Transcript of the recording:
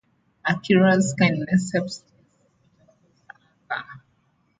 Akira's kindness helps ease Utako's anger.